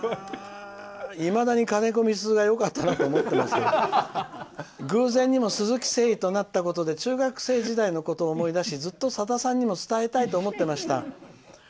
「いまだにかねこみすずがよかったなと思ってますが、偶然にもすずき姓になったことで中学生時代のことを思い出しずっとさださんにも伝えたいと思ってました。